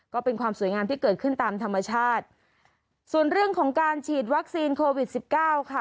ก็เป็นความสวยงามที่เกิดขึ้นตามธรรมชาติส่วนเรื่องของการฉีดวัคซีนโควิดสิบเก้าค่ะ